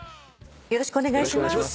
よろしくお願いします。